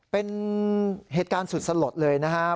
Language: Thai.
เป็นเหตุการณ์สุดสลดเลยนะครับ